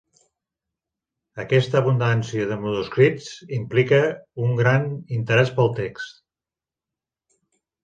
Aquesta abundància de manuscrits implica un gran interès pel text.